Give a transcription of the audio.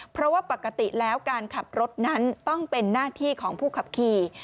เพราะว่าปกติแล้วการขับรถนั้นต้องเป็นหน้าที่ของผู้ขับขี่